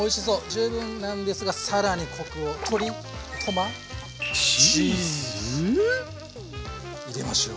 十分なんですが更にコクを。入れましょう。